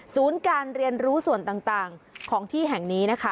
ศูนย์การเรียนรู้ส่วนต่างของที่แห่งนี้นะคะ